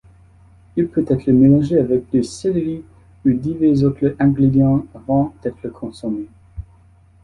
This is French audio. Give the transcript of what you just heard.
Il peut être mélangé avec du céleri ou divers autres ingrédients avant d'être consommé.